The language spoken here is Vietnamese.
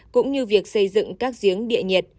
cũng như việc xây dựng các giếng địa nhiệt